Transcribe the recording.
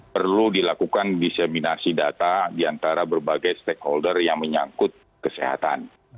perlu dilakukan diseminasi data diantara berbagai stakeholder yang menyangkut kesehatan